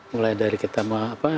mulai dari kita mau apa